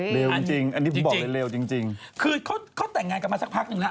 อุ๊ยจริงอันนี้พูดบอกเลยเลวจริงคือเขาแต่งงานกันมาสักพักหนึ่งล่ะ